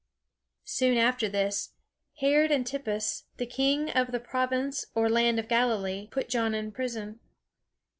Soon after this, Herod Antipas, the king of the province or land of Galilee, put John in prison.